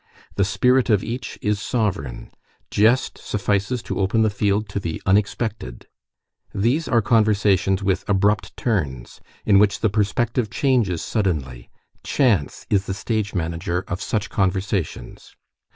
The spirit of each is sovereign, jest suffices to open the field to the unexpected. These are conversations with abrupt turns, in which the perspective changes suddenly. Chance is the stage manager of such conversations.